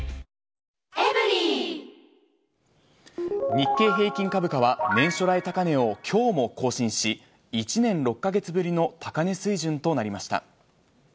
日経平均株価は年初来高値をきょうも更新し、１年６か月ぶりの高値水準となりました。